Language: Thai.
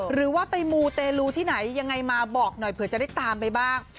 หรือว่าไปมูเตลูที่ไหนยังไงมาบอกหน่อยเผื่อจะได้ตามไปบ้าง